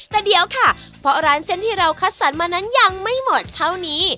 แต่เดี๋ยวค่ะเพราะร้านเส้นที่เราคัดสรรมานั้นยังไม่หมดเท่านี้